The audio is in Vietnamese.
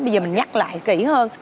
bây giờ mình nhắc lại kỹ hơn